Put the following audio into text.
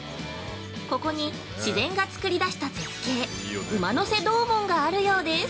ここに、自然が作り出した絶景「馬の背洞門」があるようです。